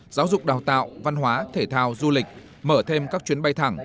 giáo dục đào tạo văn hóa thể thao du lịch mở thêm các chuyến bay thẳng